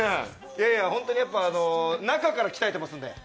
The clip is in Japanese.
いやいや、本当にやっぱ中から鍛えてるんで。